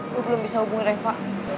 gue belum bisa hubungi reva